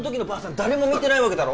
誰も見てないわけだろ？